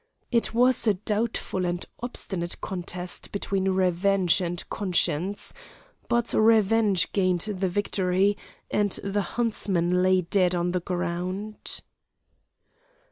It was a doubtful and obstinate contest between revenge and conscience, but revenge gained the victory, and the huntsman lay dead on the ground.